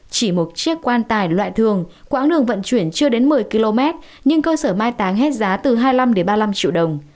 chỉ một chiếc quan tài loại thường quãng đường vận chuyển chưa đến một mươi km nhưng cơ sở mai táng hết giá từ hai mươi năm ba mươi năm triệu đồng